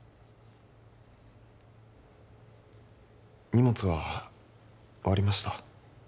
荷物は終わりました？